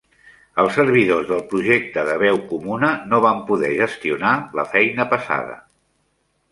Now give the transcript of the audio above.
Els servidors del projecte de veu comuna no van poder gestionar la feina pesada.